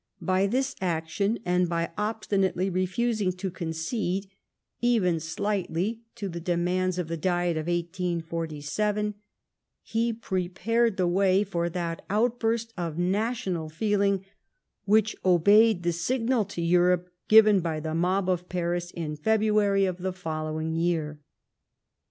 Jiy this action, and by obstinately refusing to concede, even slightly, to the demands of the Diet of 1817, he prepared the way for that outburst of national feeling which obeyed the signal to Europe given by the mob of Paris in February of the following year.